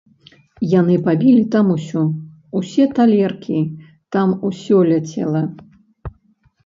Яны пабілі там усё, усе талеркі, там усё ляцела!